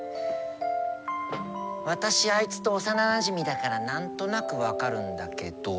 私あいつと幼なじみだから何となく分かるんだけど